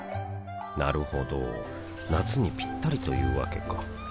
なるほど夏にピッタリというわけか